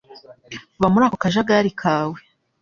va muri ako kajagari kawe.